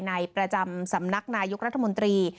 ประจำสำนักนายกรัฐมนตรี